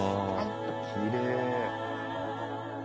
わきれい。